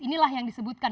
inilah yang disebutkan